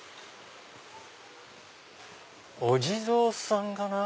お地蔵さんかな？